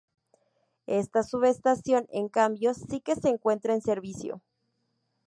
Esta subestación en cambio si que se encuentra en servicio.